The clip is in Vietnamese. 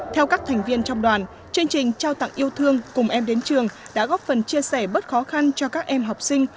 theo các thành viên trong đoàn chương trình trao tặng yêu thương cùng em đến trường đã góp phần chia sẻ bớt khó khăn cho các em học sinh